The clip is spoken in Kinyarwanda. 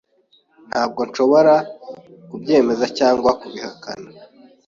Ntabwo nshobora kubyemeza cyangwa kubihakana.